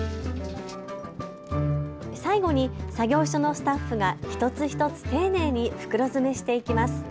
最後に作業所のスタッフが一つ一つ丁寧に袋詰めしていきます。